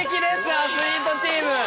アスリートチーム。